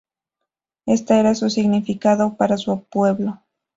Esta era su significado para su pueblo.